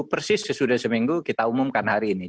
persis sesudah seminggu kita umumkan hari ini